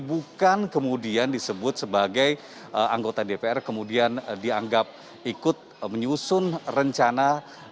bukan kemudian disebut sebagai anggota dpr kemudian dianggap ikut menyusun rencana